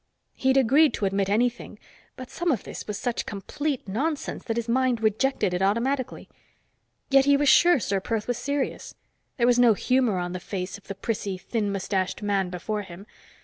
He'd agreed to admit anything, but some of this was such complete nonsense that his mind rejected it automatically. Yet he was sure Ser Perth was serious; there was no humor on the face of the prissy thin mustached man before him.